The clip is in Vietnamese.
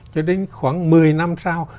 cho đến khoảng một mươi năm sau